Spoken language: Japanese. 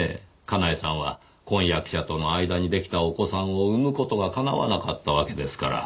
かなえさんは婚約者との間に出来たお子さんを産む事が叶わなかったわけですから。